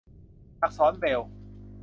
อักษรเบรลล์